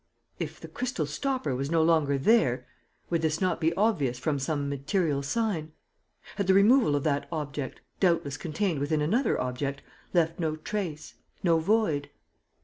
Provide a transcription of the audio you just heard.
If the crystal stopper was no longer there, would this not be obvious from some material sign? Had the removal of that object, doubtless contained within another object, left no trace, no void?